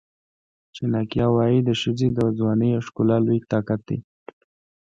چناکیا وایي د ښځې ځواني او ښکلا لوی طاقت دی.